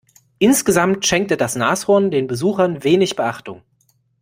Insgesamt schenkte das Nashorn den Besuchern wenig Beachtung.